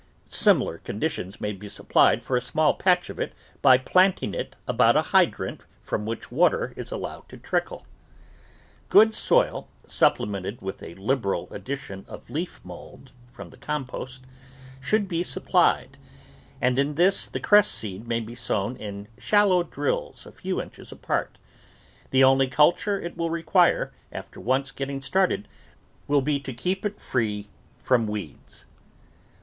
Similar conditions may be supplied for a small patch of it by planting it about a hydrant from which water is allowed to trickle. Good soil, supplemented with a liberal addition of leaf mould from the compost, should be supplied, and in this the cress seed may be sown in shallow drills a few inches apart. The only culture it will require after once getting started will be to keep it free from weeds.